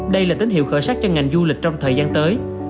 đây là tín hiệu khởi sắc cho ngành du lịch trong thời gian tới